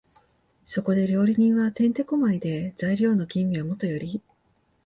そこで料理人は転手古舞で、材料の吟味はもとより、